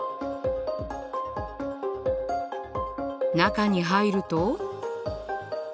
中に入ると。